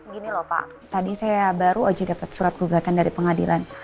gini loh pak tadi saya baru aja dapat surat gugatan dari pengadilan